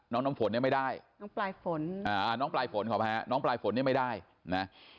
น้องน้ำฝนเนี่ยไม่ได้น้องปลายฝนขอบฮะน้องปลายฝนเนี่ยไม่ได้นะ